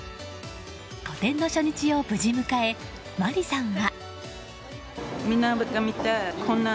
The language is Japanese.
個展の初日を無事迎えまりさんは。